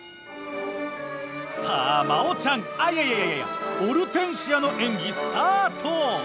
さあ真央ちゃんいやいやいや「オルテンシア」の演技スタート。